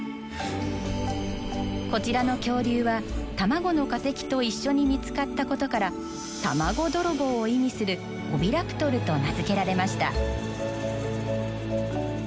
こちらの恐竜は卵の化石と一緒に見つかったことから卵泥棒を意味するオビラプトルと名付けられました。